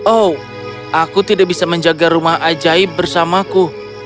oh aku tidak bisa menjaga rumah ajaib bersamaku